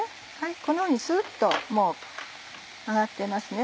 こんなふうにスっともう揚がってます。